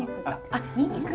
あっにんにく！